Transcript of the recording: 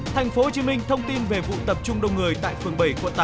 tp hcm thông tin về vụ tập trung đông người tại phường bảy quận tám